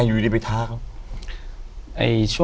อยู่ที่แม่ศรีวิรัยิลครับ